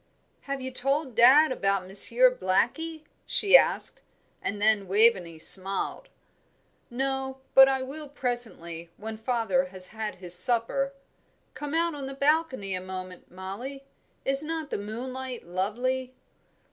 "Have you told dad about Monsieur Blackie?" she asked; and then Waveney smiled. "No, but I will, presently, when father has had his supper. Come out on the balcony a moment, Mollie. Is not the moonlight lovely!"